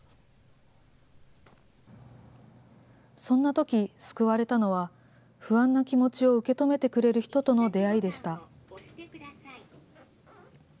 そんなとき、救われたのは、不安な気持ちを受け止めてくれる人との出会いでした。